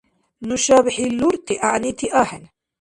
Нушаб хӀиллурти гӀягӀнити ахӀен!